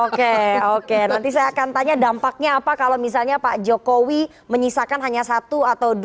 oke oke nanti saya akan tanya dampaknya apa kalau misalnya pak jokowi menyisakan hanya satu atau dua